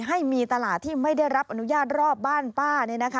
ให้มีตลาดที่ไม่ได้รับอนุญาตรอบบ้านป้า